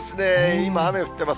今、雨降ってます。